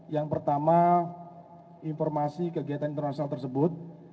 yang pertama informasi kegiatan internasional tersebut